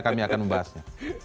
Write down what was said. kami akan membahasnya